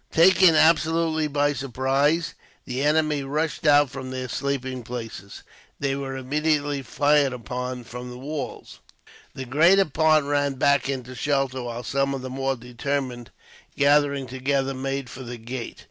Taken absolutely by surprise, the enemy rushed out from their sleeping places. They were immediately fired upon from the walls. The greater part ran back into shelter, while some of the more determined, gathering together, made for the gate.